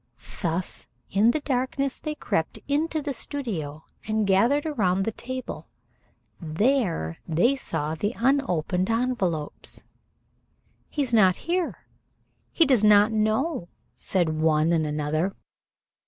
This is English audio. Thus in the darkness they crept into the studio and gathered around the table. There they saw the unopened envelopes. "He is not here. He does not know," said one and another.